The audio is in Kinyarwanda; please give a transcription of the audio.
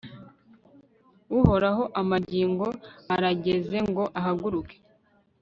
uhoraho, amagingo arageze ngo uhaguruke